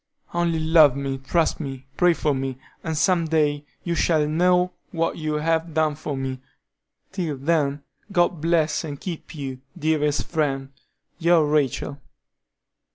Only love me, trust me, pray for me, and some day you shall know what you have done for me. Till then, God bless and keep you, dearest friend, your RACHEL."